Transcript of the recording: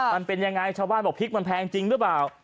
มันเป็นยังไงชาวบ้านบอกพริกมันแพงจริงหรือเปล่า